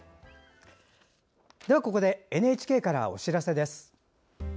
ではここでＮＨＫからお知らせです。